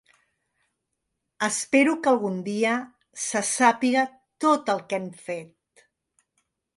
Espero que algun dia se sàpiga tot el que han fet.